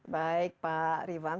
baik pak rivan